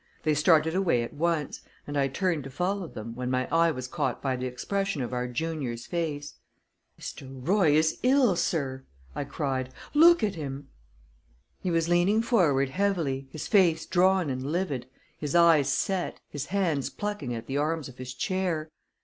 They started away at once, and I turned to follow them, when my eye was caught by the expression of our junior's face. "Mr. Royce is ill, sir!" I cried. "Look at him!" He was leaning forward heavily, his face drawn and livid, his eyes set, his hands plucking at the arms of his chair.